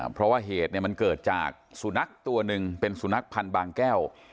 เพราะว่าเหตุมันเกิดจากสุนัขตัวหนึ่งเป็นสุนัขพันธ์บางแก้ว